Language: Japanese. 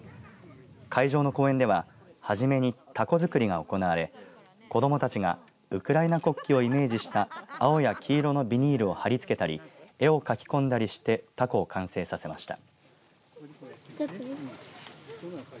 会場の公園では初めにたこづくりが行われ子どもたちがウクライナ国旗をイメージした青や黄色のビニールを貼りつけたり絵を描きこんだりしてたこを完成させました。